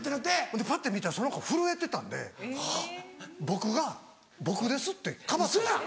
ほんでパッて見たらその子が震えてたんで僕が「僕です」ってかばったんです。